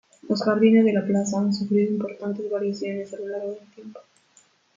Los jardines de la plaza han sufrido importantes variaciones a lo largo del tiempo.